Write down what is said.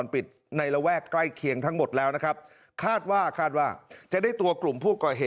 ประมาณ๑๐บาทนั้นครับ